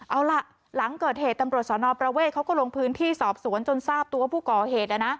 เอาล่ะหลังเกิดเหตุตำรวจสนประเวทเขาก็ลงพื้นที่สอบสวนจนทราบตัวผู้ก่อเหตุ